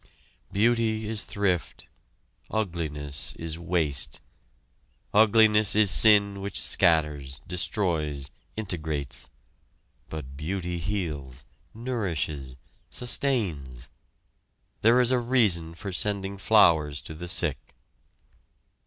Beauty is thrift, ugliness is waste, ugliness is sin which scatters, destroys, integrates. But beauty heals, nourishes, sustains. There is a reason for sending flowers to the sick.